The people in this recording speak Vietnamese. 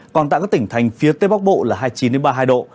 còn tại các tỉnh thành phía tây bắc bộ là hai mươi chín ba mươi hai độ